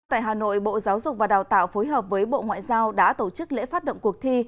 tại hà nội bộ giáo dục và đào tạo phối hợp với bộ ngoại giao đã tổ chức lễ phát động cuộc thi